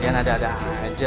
kalian ada ada aja